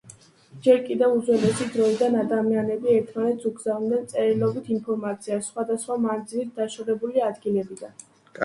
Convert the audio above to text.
ჯერ კიდევ უძველესი დროიდან ადამიანები ერთმანეთს უგზავნიდნენ წერილობით ინფორმაციას სხვადასხვა მანძილით დაშორებული ადგილებიდან.